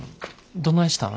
どないしたん？